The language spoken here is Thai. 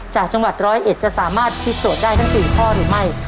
จากจังหวัดร้อยเอ็ดจะสามารถพิธีโจทย์ได้ทั้ง๔ข้อหรือไม่